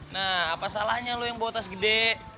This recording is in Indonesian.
nah apa salahnya lo yang bawa tas gede